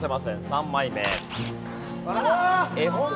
３枚目。